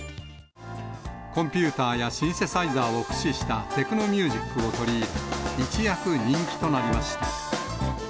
コンピューターやシンセサイザーを駆使したテクノミュージックを取り入れ、一躍人気となりました。